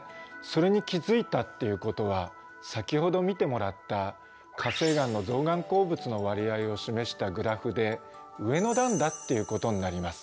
それに気付いたということは先ほど見てもらった火成岩の造岩鉱物の割合を示したグラフで上の段だっていうことになります。